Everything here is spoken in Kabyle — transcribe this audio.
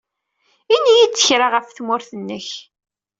Ini-iyi-d kra ɣef tmurt-nnek.